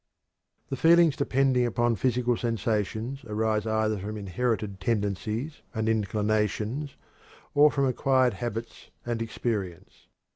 The feelings depending upon physical sensations arise either from inherited tendencies and inclinations or from acquired habits and experience.